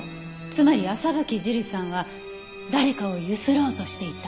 つまり朝吹樹里さんは誰かを強請ろうとしていた。